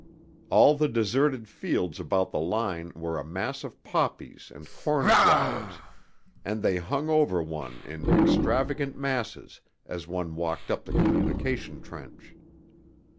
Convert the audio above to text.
All the deserted fields about the line were a mass of poppies and cornflowers, and they hung over one in extravagant masses as one walked up the communication trench.